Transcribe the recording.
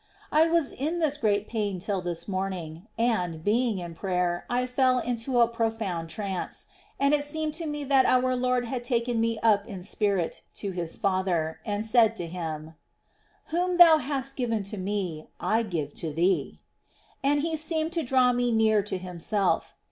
2. I was in this great pain till this morning ; and, being in prayer, I fell into a profound trance ; and it seemed to me that our Lord had taken me up in spirit to His Father, and said to Him :" Whom Thou hast given to Me, I give to Thee ;"2 and He seemed to draw me near to Himself.